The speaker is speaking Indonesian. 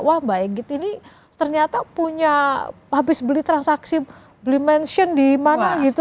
wah mbak eggit ini ternyata punya habis beli transaksi beli mention di mana gitu